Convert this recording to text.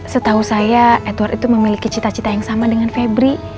setahu saya edward itu memiliki cita cita yang sama dengan febri